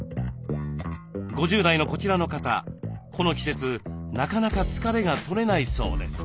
５０代のこちらの方この季節なかなか疲れが取れないそうです。